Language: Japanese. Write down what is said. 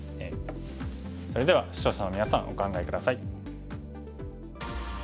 それでは視聴者のみなさんお考え下さい。